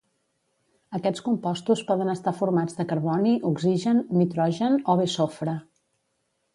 Aquests compostos poden estar formats de carboni, oxigen, nitrogen o bé sofre